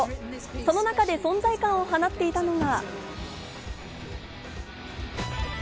その中で存在感を放っていたのが。